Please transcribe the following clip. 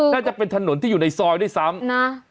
น่าจะเป็นถนนที่อยู่ในซอยด้วยซ้ำนะ